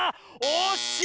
おっしい！